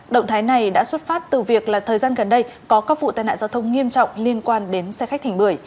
động thái này đã xuất phát từ việc là thời gian gần đây có các vụ tai nạn giao thông nghiêm trọng liên quan đến xe khách thành bưở